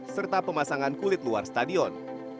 serta pemasangan kulit luar stadion